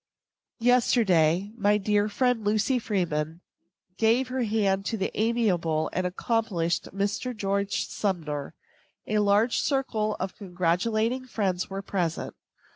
Yesterday, my dear friend, Lucy Freeman, gave her hand to the amiable and accomplished Mr. George Sumner. A large circle of congratulating friends were present.